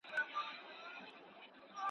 په ځنګله کي د ځنګله قانون چلېږي.